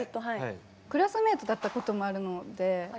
クラスメートだったこともあるので。